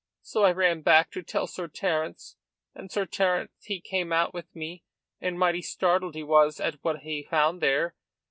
So I ran back to tell Sir Terence, and Sir Terence he came out with me, and mighty startled he was at what he found there.